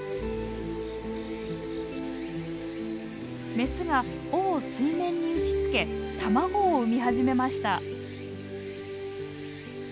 メスが尾を水面に打ちつけ卵を産み始めました。